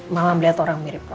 mama melihat orang mirip roy